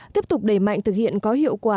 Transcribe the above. tiếp tục đẩy mạnh thực hiện có hiệu quả